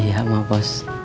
iya emak bos